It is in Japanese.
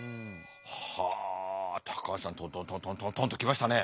はあ高橋さんトントントントンと来ましたね。